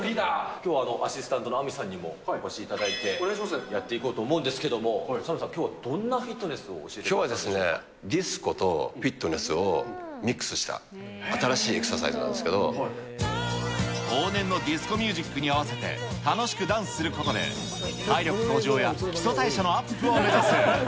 きょうはアシスタントのＡＭＩさんにも、お越しいただいて、やっていこうと思うんですけれども、ＳＡＭさん、きょうはどんなきょうはですね、ディスコとフィットネスをミックスした新しいエクササイズなんですけど、往年のディスコミュージックに合わせて、楽しくダンスすることで、体力向上や基礎代謝のアップを目指す。